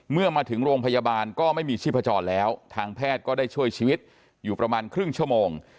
เมื่อมาถึงโรงพยาบาลก็ไม่มีชีพจรแล้วทางแพทย์ก็ได้ช่วยชีวิตอยู่ประมาณครึ่งชั่วโมง